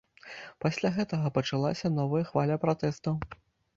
Пасля гэтага пачалася новая хваля пратэстаў.